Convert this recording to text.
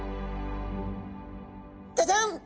ジャジャン！